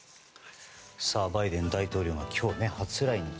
バイデン大統領が今日、初来日。